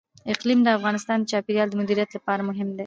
اقلیم د افغانستان د چاپیریال د مدیریت لپاره مهم دي.